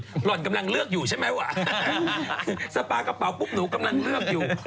หล่อนกำลังเลือกอยู่ใช่ไหมว่ะสปากระเป๋าปุ๊บหนูกำลังเลือกอยู่